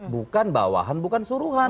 bukan bawahan bukan suruhan